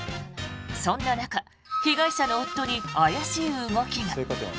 そんな中、被害者の夫に怪しい動きが。